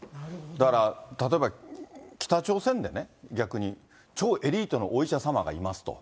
だから例えば、北朝鮮でね、逆に、超エリートのお医者様がいますと。